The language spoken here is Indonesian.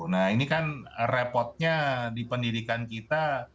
nah ini kan repotnya di pendidikan kita